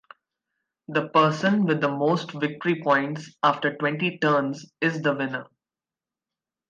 The person with the most victory points after twenty turns is the winner.